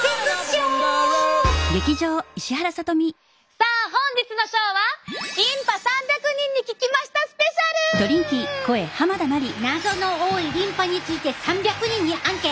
さあ本日のショーは謎の多いリンパについて３００人にアンケート。